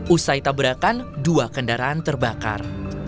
usai tabrakan dua kendaraan terbakar